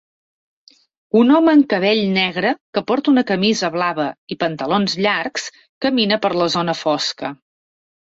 Un home amb cabell negre que porta una camisa blava i pantalons llargs camina per una zona fosca.